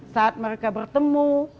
saat mereka bertemu